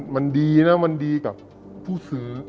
มันดีนะมันดีกับผู้ซื้อ